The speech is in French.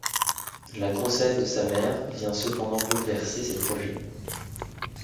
La grossesse de sa mère vient cependant bouleverser ses projets.